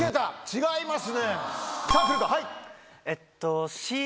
違います。